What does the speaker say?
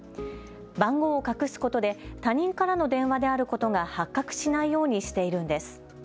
番号を隠すことで他人からの電話であることが発覚しないようにしているんです。